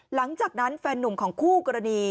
หลังจากนั้นแฟนนุ่มของคู่กรณี